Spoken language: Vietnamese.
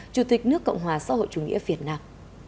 chủ tịch nước cộng hòa xã hội chủ nghĩa việt nam